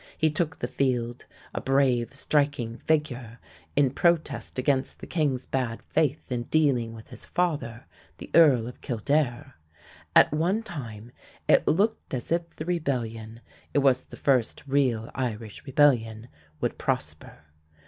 He took the field a brave, striking figure in protest against the king's bad faith in dealing with his father, the Earl of Kildare. At one time it looked as if the rebellion (it was the first real Irish rebellion) would prosper.